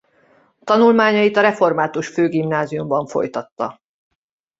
Tanulmányait a református főgimnáziumban folytatta.